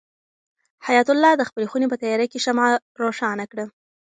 حیات الله د خپلې خونې په تیاره کې شمع روښانه کړه.